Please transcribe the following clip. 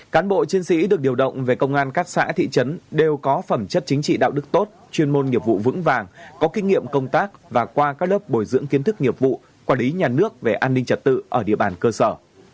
cán bộ chiến sĩ được điều động về công an các xã thị trấn đều có phẩm chất chính trị đạo đức tốt chuyên môn nghiệp vụ vững vàng có kinh nghiệm công tác và qua các lớp bồi dưỡng kiến thức nghiệp vụ quản lý nhà nước về an ninh trật tự ở địa bàn cơ sở